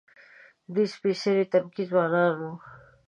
دوی سپېڅلي تنکي ځوانان وو.